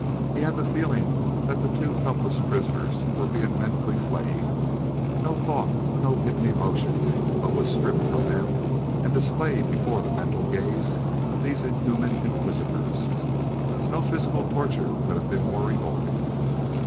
He had the feeling that the two helpless prisoners were being mentally flayed. No thought, no hidden emotion, but was stripped from them and displayed before the mental gaze of these inhuman inquisitors. No physical torture could have been more revolting.